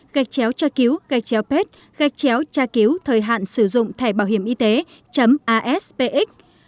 gachcheo tra cứu gachcheo pet gachcheo tra cứu thời hạn sử dụng thẻ bảo hiểm y tế aspx